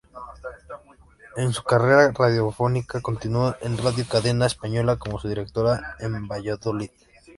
Su carrera radiofónica continuó en Radio Cadena Española, como su directora en Valladolid.